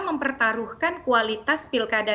mempertaruhkan kualitas pilkada